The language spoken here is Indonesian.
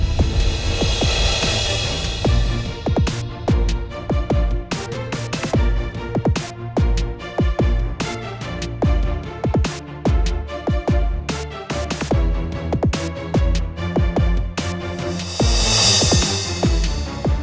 dia pasti akan menang